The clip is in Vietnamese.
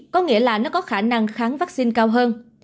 có nghĩa là nó có khả năng kháng vaccine cao hơn